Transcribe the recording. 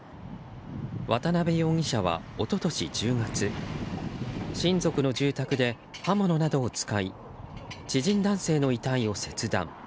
渡部容疑者は一昨年１０月親族の住宅で刃物などを使い知人男性の遺体を切断。